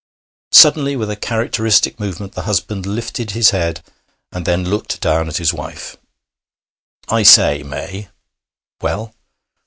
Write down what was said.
Suddenly, with a characteristic movement, the husband lifted his head, and then looked down at his wife. 'I say, May!' 'Well?'